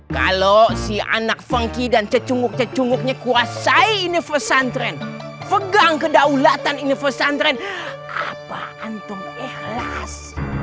kalau si anak funky dan cecunguk cecunguknya kuasai universe antren pegang kedaulatan universe antren apa antren ikhlas